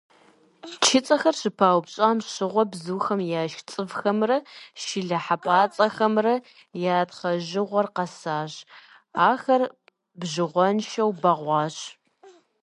Чыцэхэр щыпаупщӏам щыгъуэ бзухэм яшх цӏывхэмрэ шылэ хьэпӏацӏэхэмрэ я тхъэжыгъуэр къэсащ, ахэр бжыгъэншэу бэгъуащ.